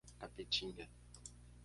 Capetinga